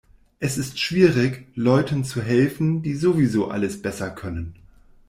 Es ist schwierig, Leuten zu helfen, die sowieso alles besser können.